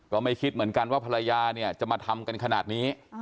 ก็ไม่คิดเหมือนกันว่าภรรยาเนี่ยจะมาทำกันขนาดนี้